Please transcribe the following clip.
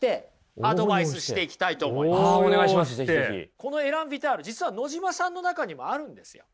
このエラン・ヴィタール実は野島さんの中にもあるんですよ。